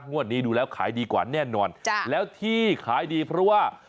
งวดนี้ดูแล้วขายดีกว่าแน่นอนจ้ะแล้วที่ขายดีเพราะว่า